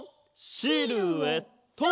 シルエット！